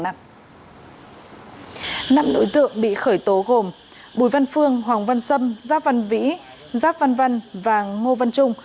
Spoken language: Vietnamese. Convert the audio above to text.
năm đối tượng bị khởi tố gồm bùi văn phương hoàng văn sâm giáp văn vĩ giáp văn văn và ngô văn trung